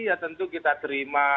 ya tentu kita terima